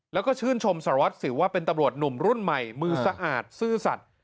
แล้วก็ชื่นชมสารวัตรสิวว่าเป็นตำรวจหนุ่มรุ่นใหม่มือสะอาดซื่อสัตว์